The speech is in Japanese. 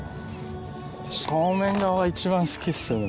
正面顔が一番好きっすね